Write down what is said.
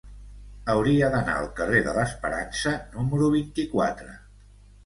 Hauria d'anar al carrer de l'Esperança número vint-i-quatre.